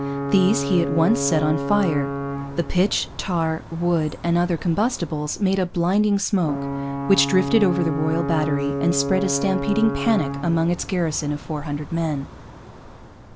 These he at once set on fire. The pitch, tar, wood, and other combustibles made a blinding smoke, which drifted over the Royal Battery and spread a stampeding panic among its garrison of four hundred men.